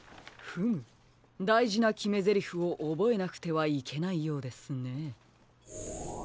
フムだいじなきめゼリフをおぼえなくてはいけないようですね。